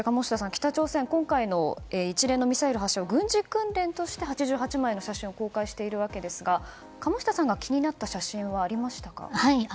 北朝鮮は一連のミサイルの発射を軍事訓練として８８枚の写真を公開しているわけですが鴨下さんが気になった写真はありましたか？